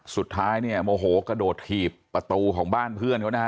สุดท้ายเนี่ยโมโหกระโดดถีบประตูของบ้านเพื่อนเขานะฮะ